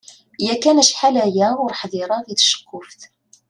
Yakan acḥal-aya ur ḥdireɣ i tceqquft.